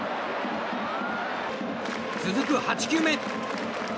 続く８球目。